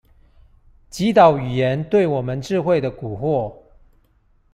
擊倒語言對我們智慧的蠱惑